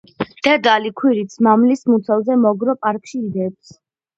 დედალი ქვირითს მამლის მუცელზე მოგრძო პარკში დებს.